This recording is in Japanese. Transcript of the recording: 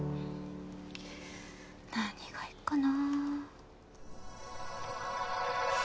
何がいいかな？